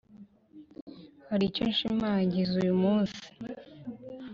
hari icyo nshimagiza uyu munsi